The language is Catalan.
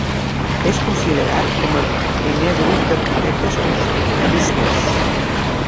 És considerat com el primer grup d'arquitectes constructivistes.